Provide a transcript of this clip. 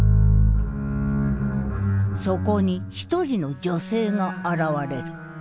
そこに一人の女性が現れる。